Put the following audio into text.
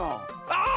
ああ！